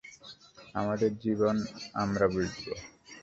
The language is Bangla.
আমাদের জীবন আমার বুঝবো।